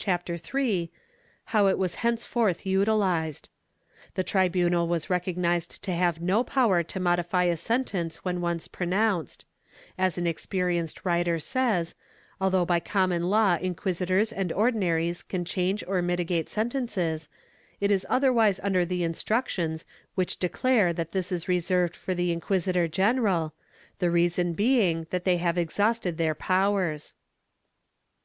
Chap, iii) how it was thenceforth utiHzed. The tribunal was recognized to have no power to modify a sentence when once pronoimced; as an experienced writer says, although by common law inquisitors and Ordinaries can change or mitigate sentences, it is otherwise under the Instructions which declare that this is reserved for the inquisitor general, the reason being that they have exhausted their powers.